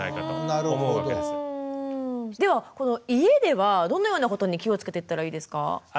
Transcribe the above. ではこの家ではどのようなことに気をつけていったらいいですか？